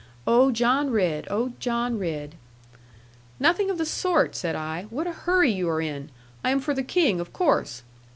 Oh, John Ridd! Oh, John Ridd!' 'Nothing of the sort,' said I: 'what a hurry you are in! I am for the King of course.'